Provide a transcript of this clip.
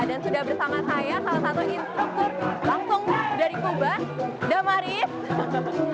dan sudah bersama saya salah satu instruktur langsung dari cuba damaris